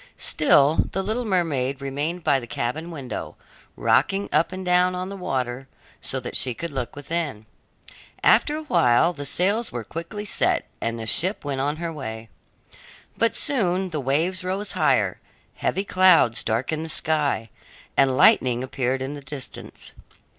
Still the little mermaid remained by the cabin window, rocking up and down on the water, so that she could look within. After a while the sails were quickly set, and the ship went on her way. But soon the waves rose higher, heavy clouds darkened the sky, and lightning appeared in the distance.